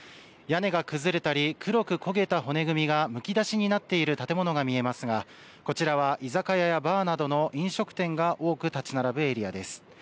屋根が崩れたり黒く焦げた骨組みがむき出しになっている建物が見えますがこちらは居酒屋やバーなどの飲食店が多く立ち並ぶエリアです。